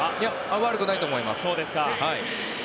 悪くないと思います。